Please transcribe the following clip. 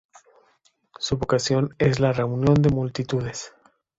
Su vocación es la reunión de multitudes.